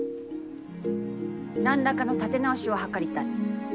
何らかの立て直しを計りたい。